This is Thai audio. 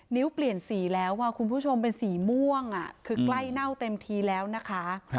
เปลี่ยนสีแล้วคุณผู้ชมเป็นสีม่วงคือใกล้เน่าเต็มทีแล้วนะคะ